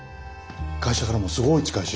会社からもすごい近いし。